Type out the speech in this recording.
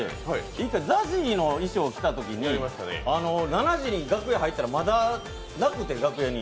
１回ＺＡＺＹの衣装を着たときに７時に楽屋に入ったときにまだなくて、楽屋に。